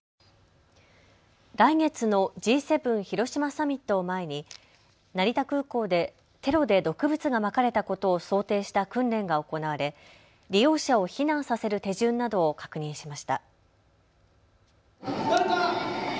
来月のＧ７広島サミットを前に成田空港でテロで毒物がまかれたことを想定した訓練が行われ、利用者を避難させる手順などを確認しました。